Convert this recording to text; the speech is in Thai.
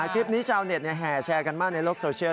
คลิปนี้ชาวเน็ตแห่แชร์กันมากในโลกโซเชียล